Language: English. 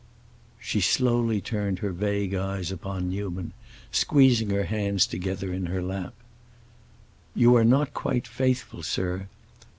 She slowly turned her vague eyes upon Newman, squeezing her hands together in her lap. "You are not quite faithful, sir.